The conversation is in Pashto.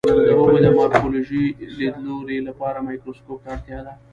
د هغوی د مارفولوژي لیدلو لپاره مایکروسکوپ ته اړتیا ده.